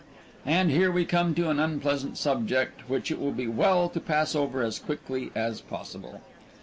And here we come to an unpleasant subject which it will be well to pass over as quickly as possible.